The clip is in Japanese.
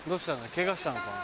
ケガしたのかな？